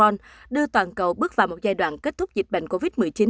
các biến thể omicron đưa toàn cầu bước vào một giai đoạn kết thúc dịch bệnh covid một mươi chín